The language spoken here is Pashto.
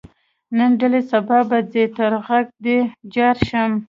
نن دلې سبا به ځې تر غږ دې جار شم.